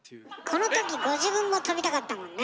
このときご自分も跳びたかったもんね。